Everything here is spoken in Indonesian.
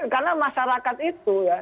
karena masyarakat itu ya